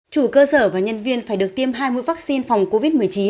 chủ cơ sở và nhân viên phải được tiêm hai mươi vaccine phòng covid một mươi chín